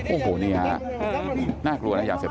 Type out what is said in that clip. โอ้โหนี่ฮะน่ากลัวนะยาเสพ